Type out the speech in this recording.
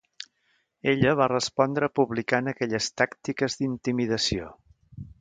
Ella va respondre publicant aquelles tàctiques d'intimidació.